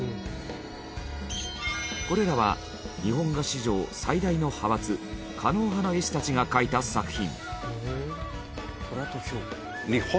これらは日本画史上最大の派閥狩野派の絵師たちが描いた作品。